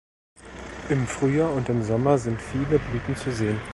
Im Frühjahr und im Sommer sind viele Blüten zu sehen.